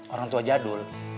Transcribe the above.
orang tua jadul